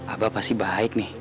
abah pasti baik nih